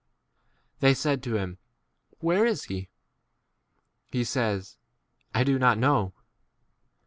12 They said to him, Where is he? c He says, I do not know.